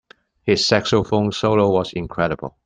His saxophone solo was incredible.